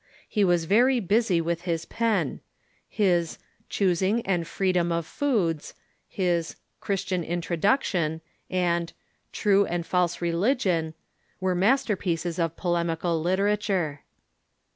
He was very busy Avith his pen. His " Choosing and Freedom of Foods," his "Christian Introduction," and "True and False Relig ion " were masterpieces of polemical literature.